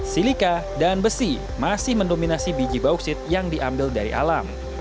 silika dan besi masih mendominasi biji bauksit yang diambil dari alam